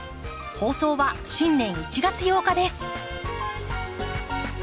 放送は新年１月８日です。